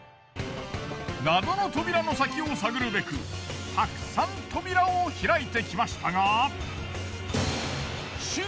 謎の扉の先を探るべくたくさん扉を開いてきましたが。